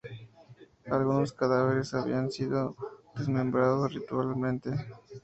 Algunos cadáveres habían sido desmembrados ritualmente.